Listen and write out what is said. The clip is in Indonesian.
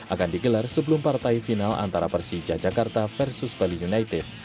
akan digelar sebelum partai final antara persija jakarta versus bali united